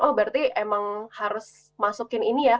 oh berarti emang harus masukin ini ya